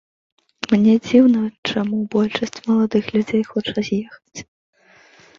Мне дзіўна, чаму большасць маладых людзей хоча з'ехаць.